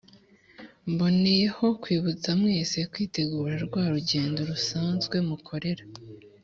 mboneyeho kwibutsa mwese kwitegura rwa rugendo musanzwe mukorera